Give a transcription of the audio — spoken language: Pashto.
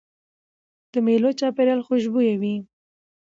د مېلو چاپېریال خوشبويه وي.